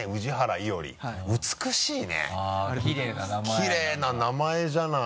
きれいな名前じゃない。